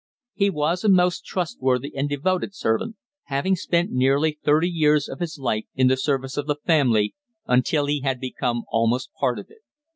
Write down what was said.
He was a most trustworthy and devoted servant, having spent nearly thirty years of his life in the service of the family, until he had become almost part of it.